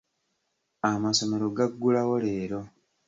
Amasomero gaggulawo leero.